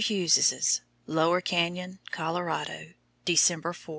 HUGHES'S, LOWER CANYON, COLORADO, December 4.